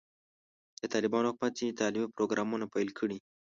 د طالبانو حکومت ځینې تعلیمي پروګرامونه پیل کړي.